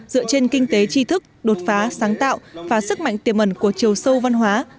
dựa trên kinh tế tri thức đột phá sáng tạo và sức mạnh tiềm ẩn của chiều sâu văn hóa